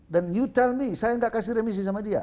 dan you tell me saya tidak kasih remisi sama dia